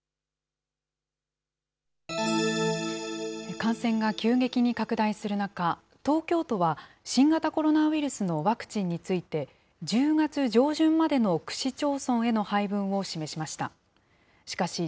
感染が急激に拡大する中、東京都は新型コロナウイルスのワクチンについて、１０月上旬までの区市町村への配分を示しました。